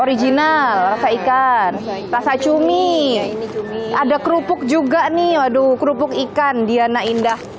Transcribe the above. original rasa ikan rasa cumi ini cumi ada kerupuk juga nih waduh kerupuk ikan diana indah